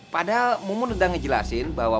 padahal mumun udah ngejelasin bahwa